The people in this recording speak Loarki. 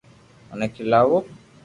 منو کيلاوُ